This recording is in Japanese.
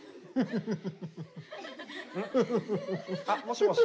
あっもしもし。